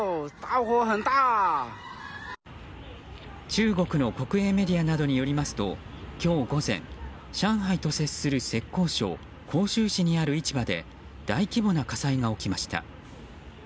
中国の国営メディアなどによりますと今日午前、上海と接する浙江省杭州市にある市場で大規模な火災が起きました。